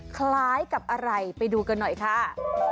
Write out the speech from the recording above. คล้ายกับอะไรไปดูกันหน่อยค่ะ